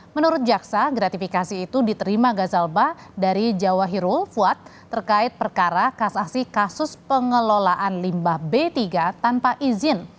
menurut jaksa gratifikasi itu diterima gazalba dari jawa hirul fuad terkait perkara kasasi kasus pengelolaan limbah b tiga tanpa izin